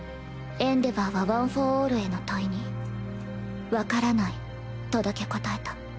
エンデヴァーは「ワン・フォー・オール」への問いに「わからない」とだけ答えた。